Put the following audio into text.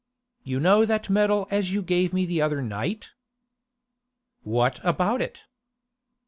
'You know that medal as you gave me the other night?' 'What about it?